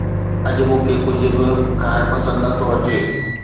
اڄ مون کي ڪجهه به کائڻ پسند نه ٿو اچي